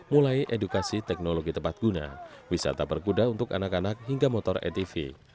mulai edukasi teknologi tepat guna wisata berkuda untuk anak anak hingga motor atv